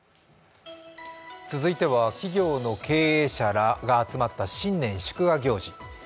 続いては企業の経営者らが集まった新年祝賀行事。